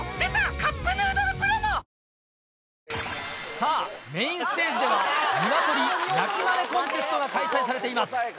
さぁメインステージではニワトリ鳴きマネコンテストが開催されています。